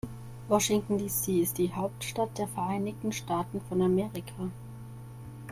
Washington, D.C. ist die Hauptstadt der Vereinigten Staaten von Amerika.